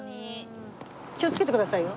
気をつけてくださいよ。